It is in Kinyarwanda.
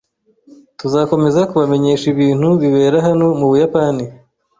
Tuzakomeza kubamenyesha ibintu bibera hano mu Buyapani.